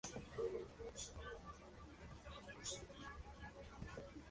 A su muerte, su hijo celebró juegos fúnebres en su honor.